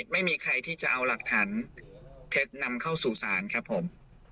ไม่มีใครที่จะเอาหลักฐานเท็จนำเข้าสู่ศาลครับผม